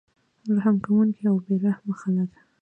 رحم کوونکي او بې رحمه خلک